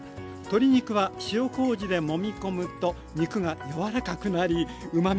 鶏肉は塩こうじでもみ込むと肉が柔らかくなりうまみがアップ。